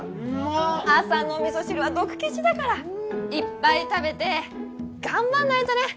朝のお味噌汁は毒消しだからいっぱい食べて頑張んないとね